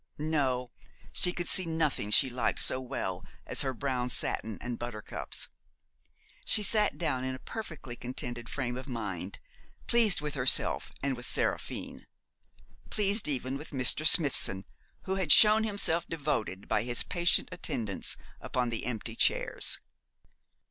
No. She could see nothing she liked so well as her brown satin and buttercups. She sat down in a perfectly contented frame of mind, pleased with herself and with Seraphine pleased even with Mr. Smithson, who had shown himself devoted by his patient attendance upon the empty chairs.